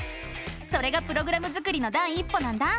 それがプログラム作りの第一歩なんだ！